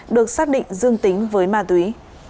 được xác định dương tính với ma túy